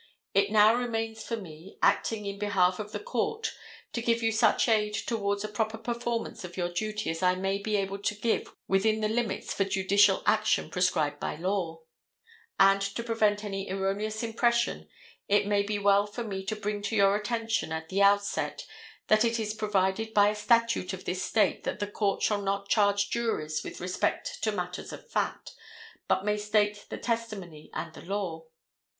It now remains for me, acting in behalf of the court, to give you such aid towards a proper performance of your duty as I may be able to give within the limits for judicial action prescribed by law; and, to prevent any erroneous impression, it may be well for me to bring to your attention, at the outset, that it is provided by a statute of this state that the court shall not charge juries with respect to matters of fact, but may state the testimony and the law.